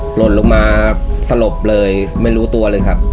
หล่นลงมาสลบเลยไม่รู้ตัวเลยครับ